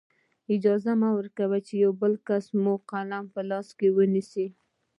اجازه مه ورکوئ بل څوک مو قلم په لاس کې ونیسي.